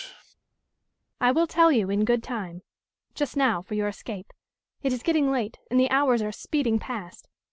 "I will tell you in good time. Just now for your escape. It is getting late, and the hours are speeding past.